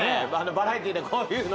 バラエティーでこういうの。